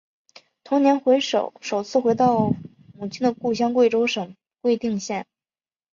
同年首次回到母亲的故乡贵州省贵定县。